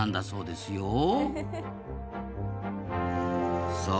そうですね。